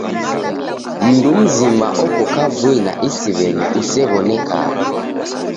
Mndu mzima oko kavui na isiw'eni usew'onekagha.